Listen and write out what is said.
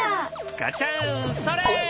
ガチャンそれ！